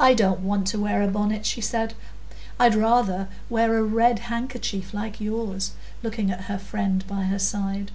"I don't want to wear a bonnet," she said; "I'd rather wear a red handkerchief, like yours" (looking at her friend by her side).